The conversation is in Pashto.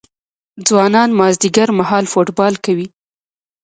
ځوانان مازدیګر مهال فوټبال کوي.